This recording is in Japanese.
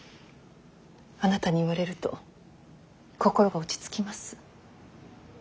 あなたに言われると心が落ち着きます。